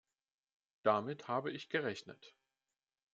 Damit habe ich gerechnet.